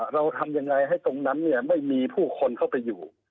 เราทำยังไงให้ตรงนั้นไม่มีผู้คนเข้าไปอยู่